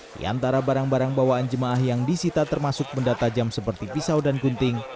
di antara barang barang bawaan jemaah yang disita termasuk benda tajam seperti pisau dan gunting